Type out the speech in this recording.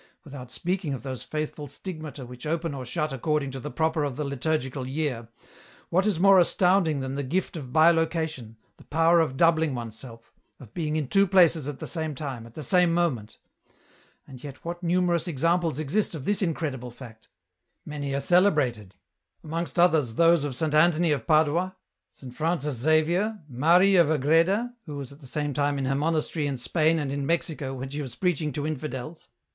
Without speaking of those faithful stigmata which open or shut according to the Proper of the liturgical year, what is more astounding than the gift of bilocation, the power of doubling oneself, of being in two places at the same time, at the same moment ? And yet what numerous examples exist of this incredible fact , many are celebrated, amongst others those of Saint Antony of Padua, Saint Francis Xavier, Marie of Agreda, who was at the same time in her monastery in Spain and in Mexico when she was preaching to infidels.